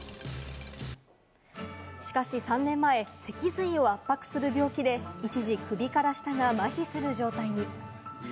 しかし３年前、脊髄を圧迫する病気で一時、首から下が麻痺する状態に。